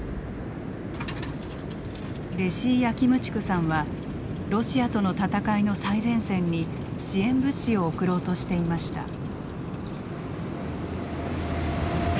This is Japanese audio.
レシィ・ヤキムチュクさんはロシアとの戦いの最前線に支援物資を送ろうとしていました。